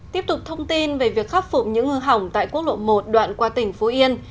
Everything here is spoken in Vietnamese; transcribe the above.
tiếp tục thông tin về việc khắc phục những hư hỏng tại quốc lộ một đoạn qua tỉnh phú yên